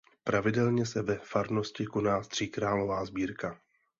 Pravidelně se ve farnosti koná tříkrálová sbírka.